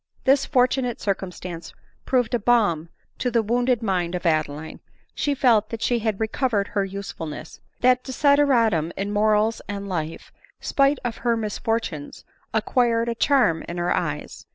This fortunate circumstance proved a balm to the wounded mind of Adeline. She felt that she had recov ered her usefulness ; that desideratum in morals and life, spite of her misfortunes, acquired a charm in her eyes.